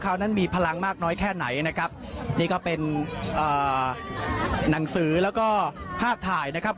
เขานั้นมีพลังมากน้อยแค่ไหนนะครับนี่ก็เป็นเอ่อหนังสือแล้วก็ภาพถ่ายนะครับ